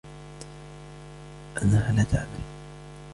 أنها لا تعمل.